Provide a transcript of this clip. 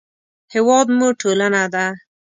هېواد مو ټولنه ده